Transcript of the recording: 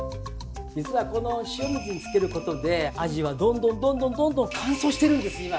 実はこの塩水につけることでアジはどんどんどんどんどんどん乾燥しているんです今。